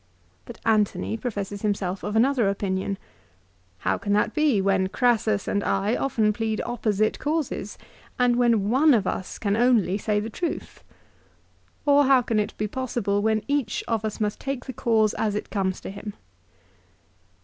1 But Antony professes himself of another opinion. "How can that be when Crassus and I often plead opposite causes, and when one of us can only say the truth ? Or how can it be possible when each of us must take the cause as it comes to him